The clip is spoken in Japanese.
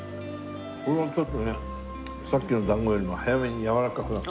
ほんのちょっとねさっきのだんごよりも早めにやわらかくなって。